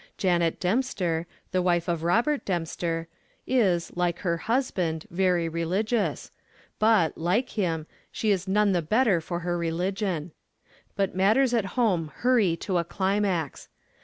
Janet Dempster, the wife of Robert Dempster, is, like her husband, very religious, but, like him, she is none the better for her religion. But matters at home hurry to a climax.